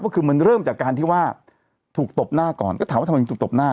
ก็คือมันเริ่มจากการที่ว่าถูกตบหน้าก่อนก็ถามว่าทำไมถึงถูกตบหน้า